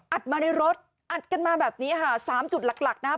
อัดมาในรถอัดกันมาแบบนี้๓จุดหลักนะครับ